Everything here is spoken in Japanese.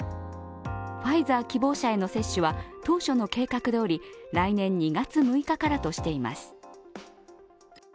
ファイザー希望者への接種は当初の計画どおり来年２月６日からとしています。